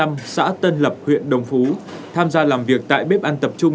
bà nguyễn thị thị gái trưởng ấp năm xã tân lập huyện đồng phú tham gia làm việc tại bếp ăn tập trung